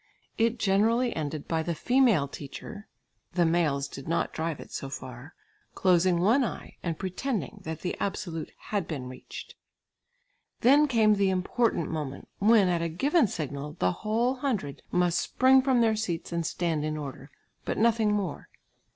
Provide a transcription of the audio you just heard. It generally ended by the female teacher (the males did not drive it so far) closing one eye and pretending that the absolute had been reached. Then came the important moment, when, at a given signal the whole hundred must spring from their seats and stand in order, but nothing more.